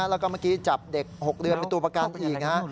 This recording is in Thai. แล้วก็เมื่อกี้จับเด็ก๖เดือนเป็นตัวประกันไปอีกนะฮะ